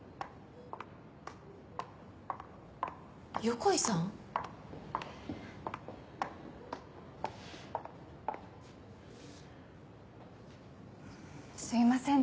・横井さん？